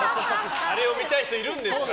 あれを見たい人いるんですから。